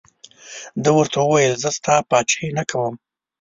ده ورته وویل زه ستا پاچهي نه کوم.